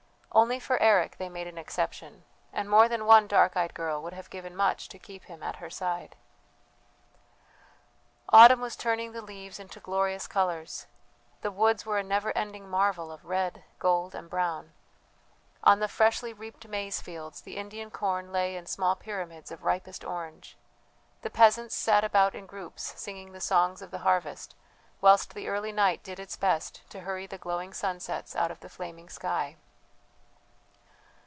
Only for Eric they made an exception, and more than one dark eyed girl would have given much to keep him at her side. Autumn was turning the leaves into glorious colours. The woods were a never ending marvel of red, gold, and brown. On the freshly reaped maize fields the Indian corn lay in small pyramids of ripest orange. The peasants sat about in groups singing the songs of harvest, whilst the early night did its best to hurry the glowing sunsets out of the flaming sky.